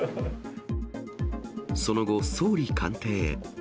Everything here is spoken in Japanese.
その後、総理官邸へ。